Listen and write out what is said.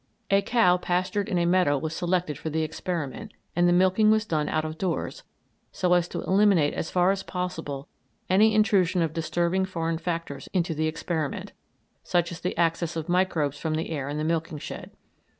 A cow pastured in a meadow was selected for the experiment, and the milking was done out of doors, so as to eliminate as far as possible any intrusion of disturbing foreign factors into the experiment, such as the access of microbes from the air in the milking shed.